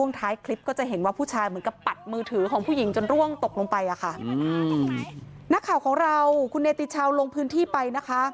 นักข่าวของเราคุณเนติชาวลงพื้นที่ไปนะคะ